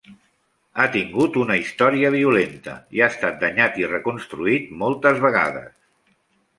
Ha tingut una història violenta i ha estat danyat i reconstruït moltes vegades.